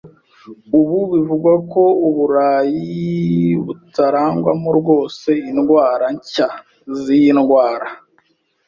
Ubu bivugwa ko Uburayi butarangwamo rwose indwara nshya z’iyi ndwara.